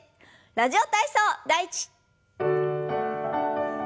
「ラジオ体操第１」。